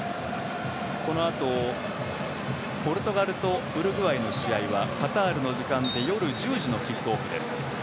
このあとポルトガルとウルグアイの試合はカタールの時間で夜１０時のキックオフです。